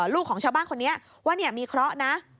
ลูกของชาวบ้านคนนี้ว่ามีเคราะห์นะ